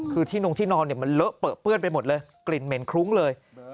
คือที่นงที่นอนเนี่ยมันเลอะเปลือเปื้อนไปหมดเลยกลิ่นเหม็นคลุ้งเลย